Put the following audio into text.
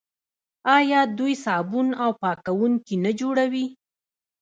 آیا دوی صابون او پاکوونکي نه جوړوي؟